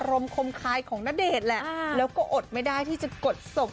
มคมคายของณเดชน์แหละแล้วก็อดไม่ได้ที่จะกดศพ